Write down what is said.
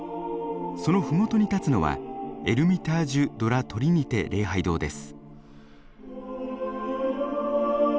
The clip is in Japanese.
その麓に立つのはエルミタージュ・ド・ラ・トリニテ礼拝堂です。